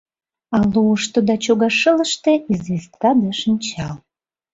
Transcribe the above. А луышто да чогашылыште — известка да шинчал.